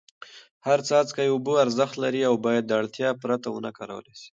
هر څاڅکی اوبه ارزښت لري او باید د اړتیا پرته ونه کارول سي.